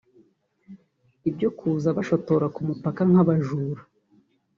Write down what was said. Ibyo kuza bashotora ku mupaka nk’abajura